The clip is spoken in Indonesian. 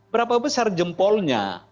berapa besar jempolnya